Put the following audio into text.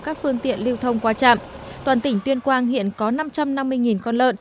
các phương tiện lưu thông qua trạm toàn tỉnh tuyên quang hiện có năm trăm năm mươi con lợn